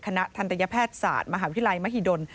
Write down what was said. คณะทันตยแพทย์ศาสตร์มหาวิทยาลัยมหิดล